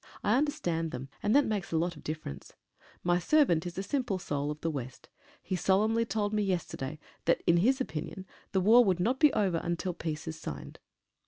I understand them, and that makes a lot of dif ference. My servant is a simple soul of the West. Fie solemnly told me yesterday that, in his opinion, the war would not be over until peace is signed.